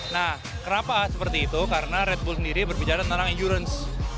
nah kenapa seperti itu karena red bull sendiri berbicara tentang endurance